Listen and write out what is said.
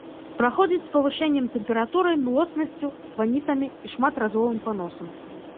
Праходзіць з павышэннем тэмпературы, млоснасцю, ванітамі і шматразовым паносам.